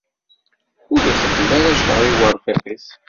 Ur ixeddem ara ccer i urfiq-is.